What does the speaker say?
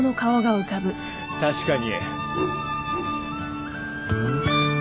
確かに。